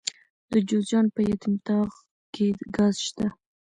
د جوزجان په یتیم تاغ کې ګاز شته.